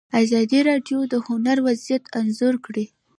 ازادي راډیو د هنر وضعیت انځور کړی.